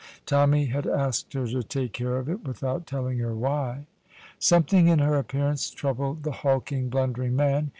Tommy had asked her to take care of it, without telling her why. Something in her appearance troubled the hulking, blundering man.